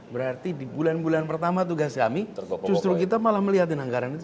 berarti di bulan bulan pertama tugas kami justru kita malah melihatin anggaran itu